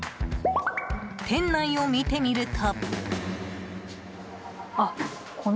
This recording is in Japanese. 店内を見てみると。